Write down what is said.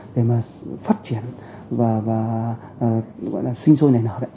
để mà phát triển và sinh sôi nảy nở đấy